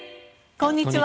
こんにちは。